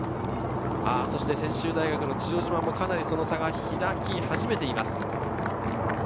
専修大の千代島も、かなりその差が開き始めています。